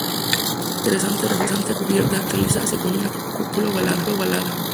Muy interesante resulta su cubierta, realizada según una cúpula ovalada.